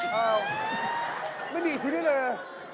ไม่มีอีกทีนี่เลย